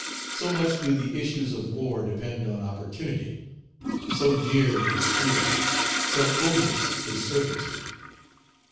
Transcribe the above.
So much do the issues of war depend on opportunity; so dear is freedom; so odious is servitude.